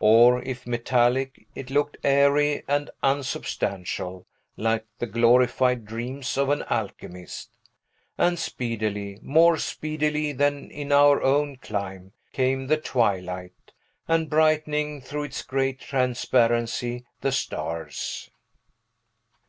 Or, if metallic, it looked airy and unsubstantial, like the glorified dreams of an alchemist. And speedily more speedily than in our own clime came the twilight, and, brightening through its gray transparency, the stars.